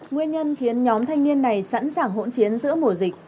nguyên nhân khiến nhóm thanh niên này sẵn sàng hỗn chiến giữa mùa dịch